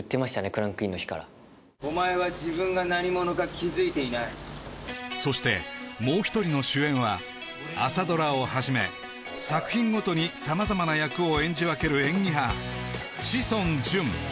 クランクインの日からお前は自分が何者か気付いていないそしてもう一人の主演は朝ドラをはじめ作品ごとに様々な役を演じ分ける演技派志尊淳